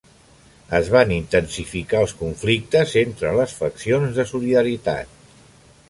Es van intensificar els conflictes entre les faccions de Solidaritat.